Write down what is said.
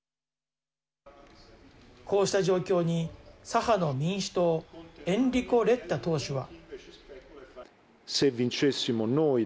こうした状況に左派の民主党エンリコ・レッタ党首は。